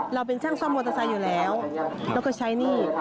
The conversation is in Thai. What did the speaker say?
เราเป็นช่างซ่อมมอเตอร์ไซค์อยู่แล้วเราก็ใช้หนี้